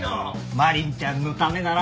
愛鈴ちゃんのためなら。